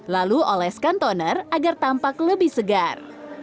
lalu oleskan toner agar tampak lebih segar